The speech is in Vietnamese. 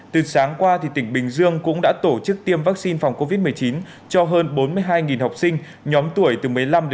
từ sáng qua tỉnh bình dương cũng đã tổ chức tiêm vaccine phòng covid một mươi chín cho hơn bốn mươi hai học sinh nhóm tuổi từ một mươi năm đến một mươi